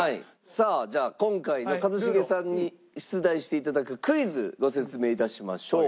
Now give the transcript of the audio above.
さあじゃあ今回の一茂さんに出題して頂くクイズご説明致しましょう。